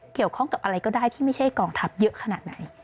เกี่ยวข้องกับอะไรก็ได้ที่ไม่ใช่กองทัพเยอะขนาดไหน